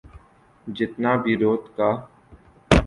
جتنا بیروت کا۔